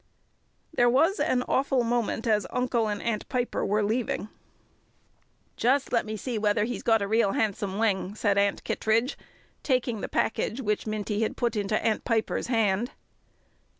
There was an awful moment as Uncle and Aunt Piper were leaving. "Just let me see whether he's got a real handsome wing," said Aunt Kittredge, taking the package which Minty had put into Aunt Piper's hand.